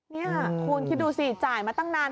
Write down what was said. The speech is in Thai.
นี่คุณคิดดูสิจ่ายมาตั้งนาน